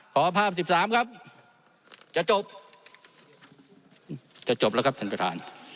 ขอภาพ๑๓ครับจะจบจะจบแล้วครับท่านประธาน